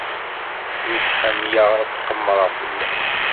Nekk ḥemmleɣ ad qemmreɣ fell-as.